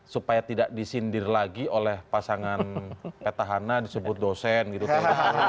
supaya tidak disindir lagi oleh pasangan petahana disebut dosen gitu kan